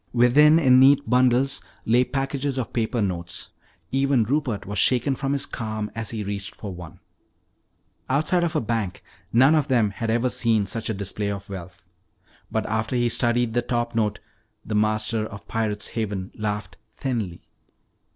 Within, in neat bundles, lay packages of paper notes. Even Rupert was shaken from his calm as he reached for one. Outside of a bank none of them had ever seen such a display of wealth. But after he studied the top note, the master of Pirate's Haven laughed thinly.